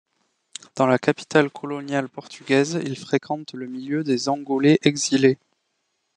Dans la capitale coloniale portugaise, il fréquente le milieu des Angolais exilés.